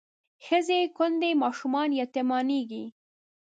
ښځې کونډېږي ماشومان یتیمانېږي